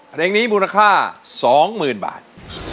เพลงนี้มูลค่า๒๐๐๐บาท